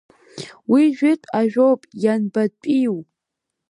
Уи жәытә ажәоуп, ианбатәиу…